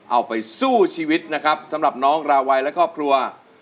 เอาไปสู้ชีวิตนะครับสำหรับน้องราวัยและครอบครัว